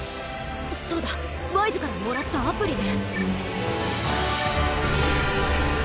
そうだワイズからもらったアプリで。